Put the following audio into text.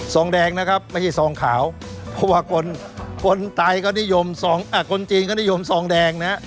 ซองแดงนะครับไม่ใช่ซองขาวเพราะว่าคนจีนก็นิยมซองแดงนะ